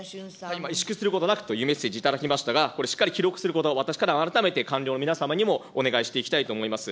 今、萎縮することなくというメッセージをいただきましたが、これしっかり記録すること、私からは改めて官僚の皆様にもお願いしていきたいと思います。